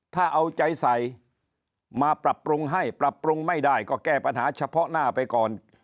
ถ้าเอาใจใส่มาปรับปรุงให้ปรับปรุงไม่ได้ก็แก้ปัญหาเฉพาะหน้าไปก่อน